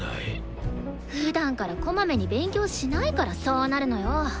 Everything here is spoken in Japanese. ふだんからこまめに勉強しないからそうなるのよ！